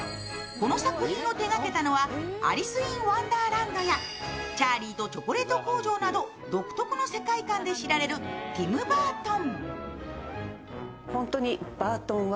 この作品を手がけたのは「アリス・イン・ワンダーランド」や「チャーリーとチョコレート工場」など独特の世界観で知られるティム・バートン。